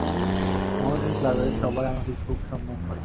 মোহামেডান ক্লাবের সবাই আমাকে খুব সম্মান করে।